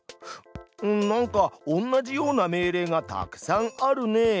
うんなんか同じような命令がたくさんあるね。